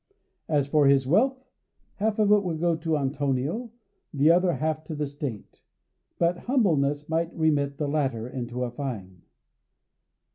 As for his wealth, half of it would go to Antonio, the other half to the State, but humbleness might remit the latter into a fine.